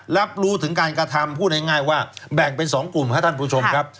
รับรู้ถึงการกระทำพูดง่ายว่าแบ่งเป็น๒กลุ่มครับท่านผู้ชมครับ